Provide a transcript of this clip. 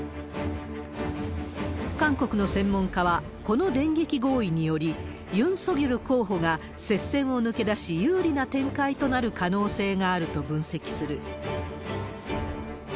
韓国の専門家は、この電撃合意により、ユン・ソギョル候補が接戦を抜け出し有利な展開となる可能性があると分析する。